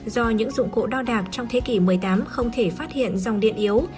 do những dụng cụ đo đạc trong thế kỷ một mươi tám không thể phát hiện dòng điện yếu